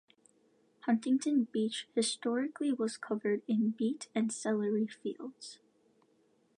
Huntington Beach historically was covered in beet and celery fields.